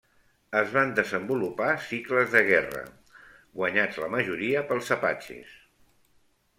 Es van desenvolupar cicles de guerra, guanyats la majoria pels apatxes.